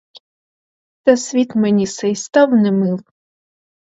Та світ мені сей став не мил;